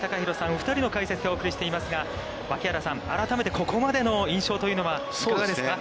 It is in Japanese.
お二人の解説でお送りしていますが、槙原さん、改めてここまでの印象はいかがですか。